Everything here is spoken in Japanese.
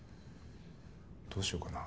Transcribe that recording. どうしようかな。